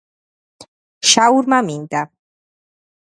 შაურმა მინდა